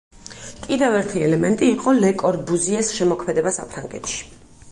კიდევ ერთი ელემენტი იყო ლე კორბუზიეს შემოქმედება საფრანგეთში.